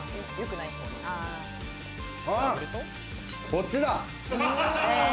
こっちだ。